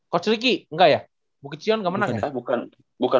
coach ricky enggak ya